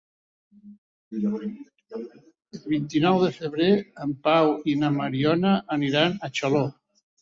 El vint-i-nou de febrer en Pau i na Mariona aniran a Xaló.